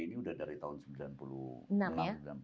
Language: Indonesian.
ini udah dari tahun